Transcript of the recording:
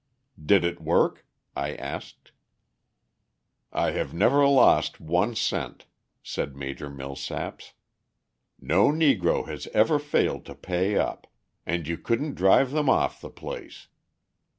"Did it work?" I asked. "I have never lost one cent," said Major Millsaps, "no Negro has ever failed to pay up and you couldn't drive them off the place.